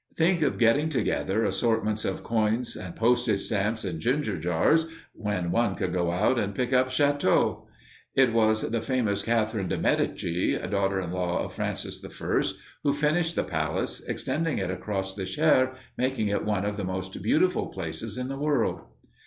Think of getting together assortments of coins and postage stamps and ginger jars when one could go out and pick up châteaux! It was the famous Catherine de Medici, daughter in law of Francis I, who finished the palace, extending it across the Cher, making it one of the most beautiful places in the world.